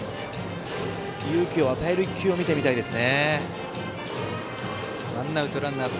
勇気を与える１球を見てみたいです。